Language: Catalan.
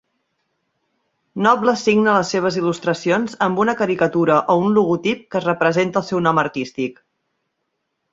Noble signa les seves il·lustracions amb una caricatura o un logotip que representa el seu nom artístic.